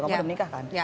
kamu udah menikah kan